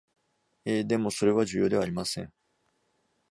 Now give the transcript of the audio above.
ええ、でもそれは重要ではありません